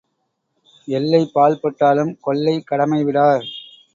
எல்லை பாழ்பட்டாலும் கொல்லைக் கடமை விடார்.